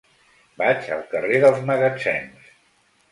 Vaig al carrer dels Magatzems.